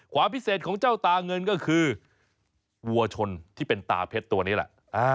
ความพิเศษของเจ้าตาเงินก็คือวัวชนที่เป็นตาเพชรตัวนี้แหละ